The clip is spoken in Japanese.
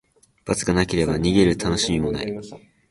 罰がなければ、逃げるたのしみもない。